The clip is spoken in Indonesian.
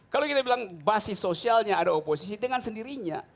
kalau kita bilang basis sosialnya ada oposisi dengan sendirinya